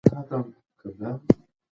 پښتو د پښتنو د یووالي ژبه ده.